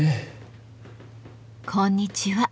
こんにちは。